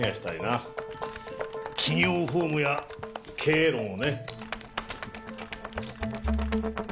企業法務や経営論をね。